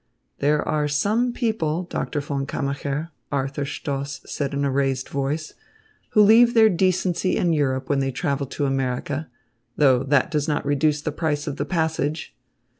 "There are some people, Doctor von Kammacher," Arthur Stoss said in a raised voice, "who leave their decency in Europe when they travel to America, though that does not reduce the price of the passage."